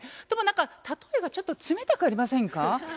でも何か例えがちょっと冷たくありませんか？